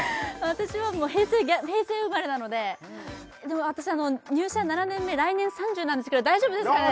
私は平成生まれなので私入社７年目来年３０なんですけど大丈夫ですかね？